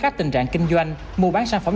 các tình trạng kinh doanh mua bán sản phẩm